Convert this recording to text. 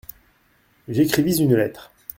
J’écrivis une lettre.